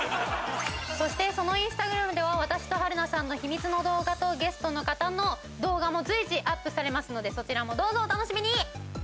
そしてそのインスタグラムでは私と春菜さんの秘密の動画とゲストの方の動画も随時アップされますのでそちらもどうぞお楽しみに！